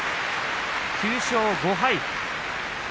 ９勝５敗。